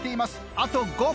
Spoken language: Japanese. あと５分。